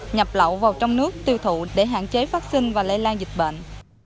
nhập lậu vào trong nước tiêu thụ để hạn chế phát sinh và lây lan dịch bệnh